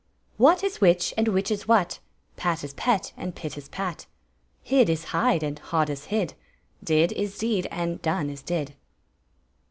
What is which, and which is what ; Pat is pet, and pit is pat; Hid is hide, and hod is hid; Did is deed, and done is did!